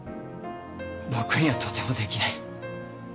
僕にはとてもできない。